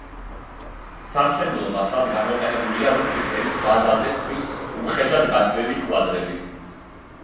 სამშენებლო მასალად გამოყენებულია რუხი ფერის ბაზალტის ქვის უხეშად გათლილი კვადრები.